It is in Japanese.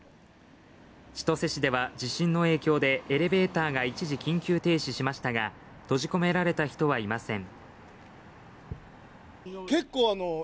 千歳市では地震の影響でエレベーターが一時緊急停止しましたが閉じ込められた人はいません。